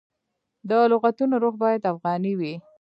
د لغتونو روح باید افغاني وي.